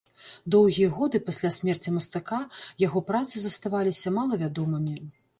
Доўгія гады пасля смерці мастака яго працы заставаліся малавядомымі.